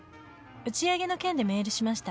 「打ち上げの件でメールしました」